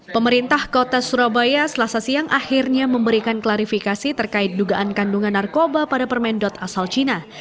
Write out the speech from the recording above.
pemerintah kota surabaya selasa siang akhirnya memberikan klarifikasi terkait dugaan kandungan narkoba pada permen asal cina